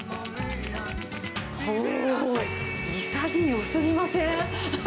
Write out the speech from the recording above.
おー、いさぎよすぎません？